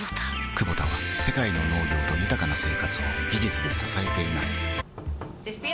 クボタは世界の農業と豊かな生活を技術で支えています起きて。